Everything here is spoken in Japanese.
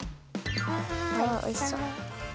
わあおいしそう。